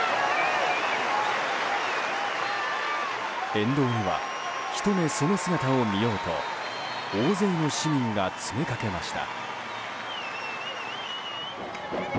沿道にはひと目その姿を見ようと大勢の市民が詰めかけました。